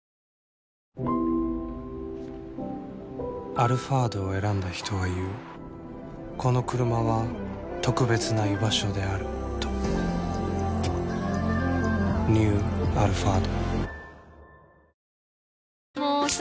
「アルファード」を選んだ人は言うこのクルマは特別な居場所であるとニュー「アルファード」もうさ